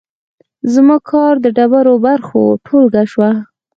زما کار د ډېرو برخو ټولګه شوه.